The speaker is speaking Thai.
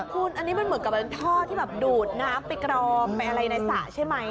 คุณอันนี้มันเหมือนกับเป็นท่อที่แบบดูดน้ำไปกรองไปอะไรในสระใช่ไหม